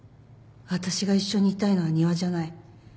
私が一緒にいたいのは仁和じゃない。